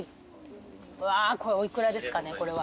うわお幾らですかねこれは。